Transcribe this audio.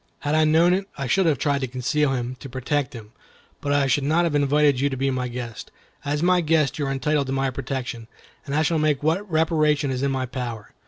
Had I known it, I should have tried to conceal him, to protect him; but I should not have invited you to be my guest. As my guest, you are entitled to my protection, and I shall make what reparation is in my power."